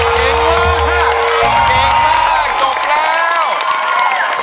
เก่งมากเก่งมากจบแล้ว